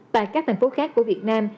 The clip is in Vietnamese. tại các thành phố khác của việt nam